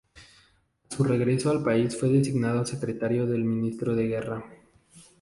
A su regreso al país fue designado secretario del Ministro de Guerra.